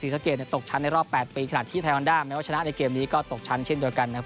สะเกดตกชั้นในรอบ๘ปีขณะที่ไทยวันด้าแม้ว่าชนะในเกมนี้ก็ตกชั้นเช่นเดียวกันนะครับ